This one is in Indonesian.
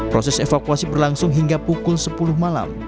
proses evakuasi berlangsung hingga pukul sepuluh malam